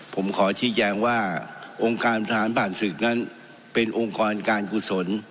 ผมขอชี้แจงว่าองค์การทหารผ่านศึกนั้นเป็นองค์กรการกุศล